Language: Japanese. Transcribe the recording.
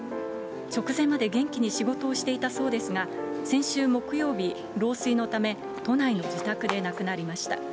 直前まで元気に仕事をしていたそうですが、先週木曜日、老衰のため、都内の自宅で亡くなりました。